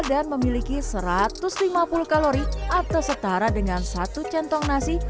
dan memiliki satu ratus lima puluh kalori atau setara dengan satu centong nasi